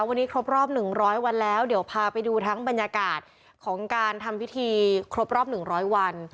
วันนี้ครบรอบหนึ่งร้อยวันแล้วเดี๋ยวพาไปดูทั้งบรรยากาศของการทำพิธีครบรอบหนึ่งร้อยวัน